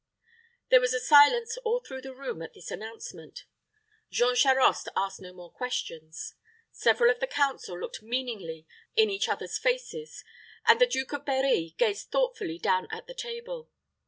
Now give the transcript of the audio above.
There was a silence all through the room at this announcement. Jean Charost asked no more questions. Several of the council looked meaningly in each other's faces, and the Duke of Berri gazed thoughtfully down at the table.